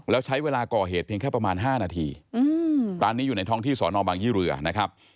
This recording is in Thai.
แล้วใช้เวลาก่อเหตุเพียงแค่ประมาณ๕นาทีร้านนี้อยู่ในท้องที่สอนอบางยี่เรือนะครับ